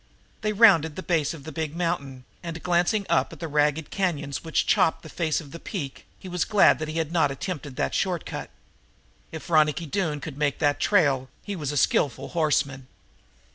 They rounded the base of the big mountain, and, glancing up at the ragged canyons which chopped the face of the peak, he was glad that he had not attempted that short cut. If Ronicky Doone could make that trail he was a skillful horseman.